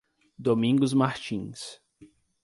Domingos Martins